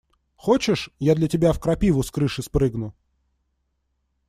Хочешь, я для тебя в крапиву с крыши спрыгну?